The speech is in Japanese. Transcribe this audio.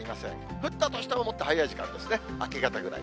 降ったとしても、もっと早い時間ですね、明け方ぐらい。